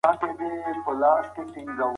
ښه پلان کول د بریا لار ده.